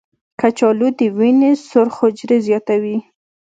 کچالو د وینې سرخ حجرې زیاتوي.